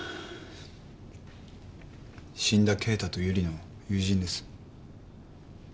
死んだ敬太と由理の友人です。